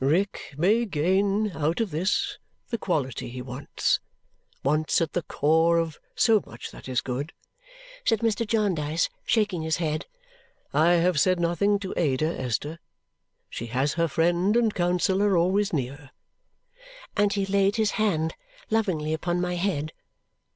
"Rick may gain, out of this, the quality he wants. Wants, at the core of so much that is good!" said Mr. Jarndyce, shaking his head. "I have said nothing to Ada, Esther. She has her friend and counsellor always near." And he laid his hand lovingly upon my head.